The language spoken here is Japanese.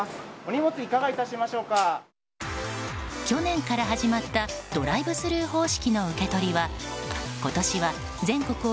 去年から始まったドライブスルー方式の受け取りは今年は、全国